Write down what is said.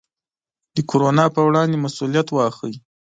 د کورونا پر وړاندې مسوولیت واخلئ.